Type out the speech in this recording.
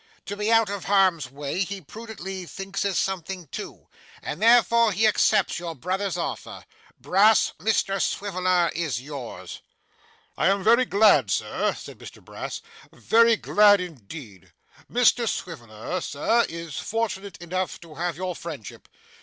To be out of harm's way he prudently thinks is something too, and therefore he accepts your brother's offer. Brass, Mr Swiveller is yours.' 'I am very glad, Sir,' said Mr Brass, 'very glad indeed. Mr Swiveller, Sir, is fortunate enough to have your friendship.